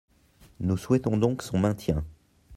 Nous souhaitons donc son maintien.